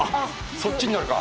そっちになるか。